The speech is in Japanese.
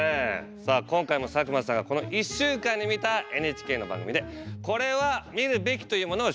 さあ今回も佐久間さんがこの１週間に見たＮＨＫの番組で「これは見るべき！」というものを紹介。